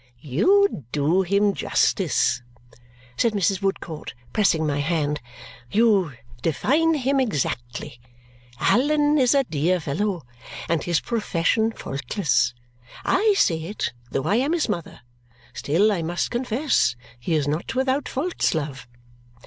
"You do him justice!" said Mrs. Woodcourt, pressing my hand. "You define him exactly. Allan is a dear fellow, and in his profession faultless. I say it, though I am his mother. Still, I must confess he is not without faults, love."